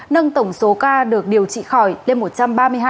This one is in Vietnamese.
nâng tổng số ca được điều trị khỏi lên một trăm ba mươi hai tám trăm một mươi năm ca